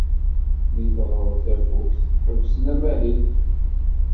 Mi teɣreb tafukt, ḥebsen amahil.